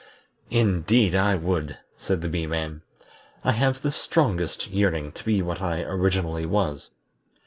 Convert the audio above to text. "Indeed I would!" said the Bee man, "I have the strongest yearning to be what I originally was."